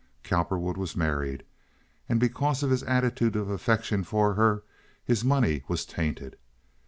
Cowperwood was married, and because of his attitude of affection for her his money was tainted.